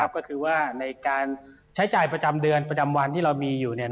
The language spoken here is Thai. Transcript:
ก็คือว่าในการใช้จ่ายประจำเดือนประจำวันที่เรามีอยู่